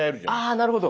あなるほど。